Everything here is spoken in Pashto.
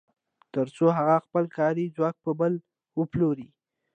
تر څو هغه خپل کاري ځواک په بل وپلوري